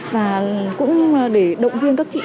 và cũng để động viên các chị